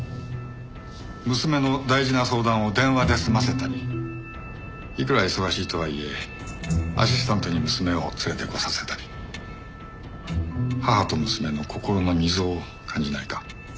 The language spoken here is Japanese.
娘の大事な相談を電話で済ませたりいくら忙しいとはいえアシスタントに娘を連れてこさせたり母と娘の心の溝を感じないか？